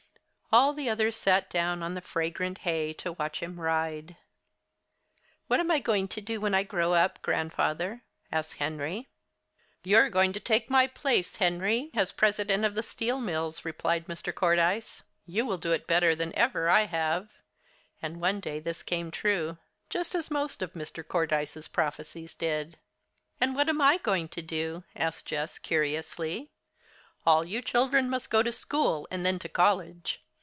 All the others sat down on the fragrant hay to watch him ride. "What am I going to do when I grow up, Grandfather?" asked Henry. "You're going to take my place, Henry, as president of the steel mills," replied Mr. Cordyce. "You will do it better than I ever have." (And one day this came true, just as most of Mr. Cordyce's prophecies did.) "And what am I going to do?" asked Jess, curiously. "All you children must go to school and then to college.